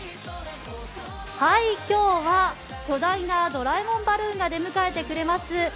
今日は巨大なドラえもんバルーンが出迎えてくれます